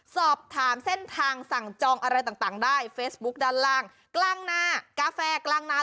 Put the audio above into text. สอบถามเส้นทางสั่งจองอะไรต่างได้เฟซบุ๊คด้านล่างกลางหน้ากาแฟกลางน้ำ